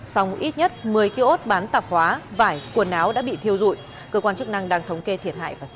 sau ít nhất một mươi ký ốt bán tạp hóa vải quần áo đã bị thiêu dụi